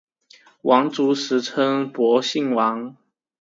皇族时称博信王。